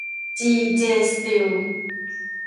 จี เจ สตีล